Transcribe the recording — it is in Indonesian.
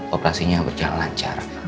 operasinya berjalan lancar